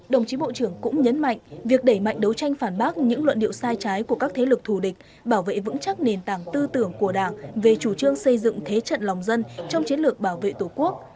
đồng chí bộ trưởng cũng nhấn mạnh việc đẩy mạnh đấu tranh phản bác những luận điệu sai trái của các thế lực thù địch bảo vệ vững chắc nền tảng tư tưởng của đảng về chủ trương xây dựng thế trận lòng dân trong chiến lược bảo vệ tổ quốc